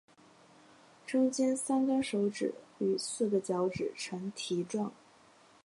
中间三跟手指与四个脚趾呈蹄状。